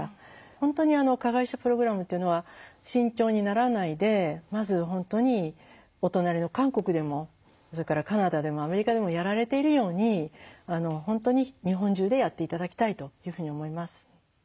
本当に加害者プログラムっていうのは慎重にならないでまず本当にお隣の韓国でもそれからカナダでもアメリカでもやられているように本当に日本中でやって頂きたいというふうに思います。